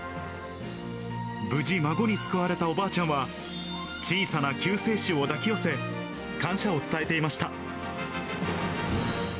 無事、孫に救われたおばあちゃんは、小さな救世主を抱き寄せ、感謝を伝えていました。